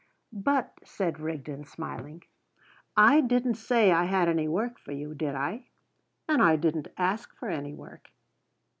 "But," said Rigden, smiling, "I didn't say I had any work for you, did I?" "And I didn't ask for any work."